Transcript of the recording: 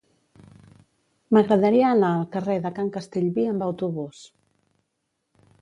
M'agradaria anar al carrer de Can Castellví amb autobús.